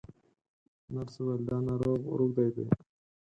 نرس وویل دا ناروغ روږدی دی.